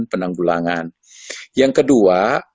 penanggulangan yang kedua